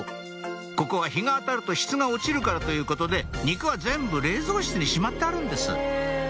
ここは日が当たると質が落ちるからということで肉は全部冷蔵室にしまってあるんです